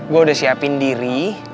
gue udah siapin diri